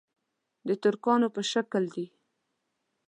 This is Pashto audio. د ترکانو په شکل دي.